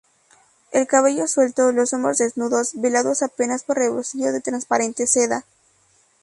el cabello suelto, los hombros desnudos, velados apenas por rebocillo de transparente seda.